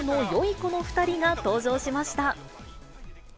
この２人が登場しました。